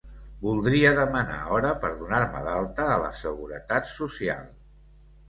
Voldria demanar hora per donar-me d'alta a la seguretat social.